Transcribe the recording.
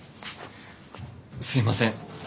すいません